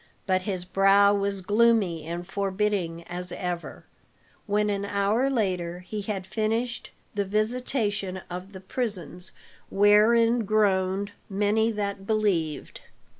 But his brow was gloomy and forbidding as ever, when an hour later he had finished the visitation of the prisons wherein groaned many that believed.